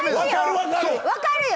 分かるよ！